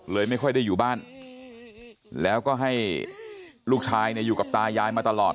ไม่ค่อยได้อยู่บ้านแล้วก็ให้ลูกชายเนี่ยอยู่กับตายายมาตลอด